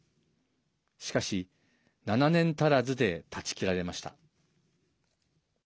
しかし、７年足らずで断ち切られました。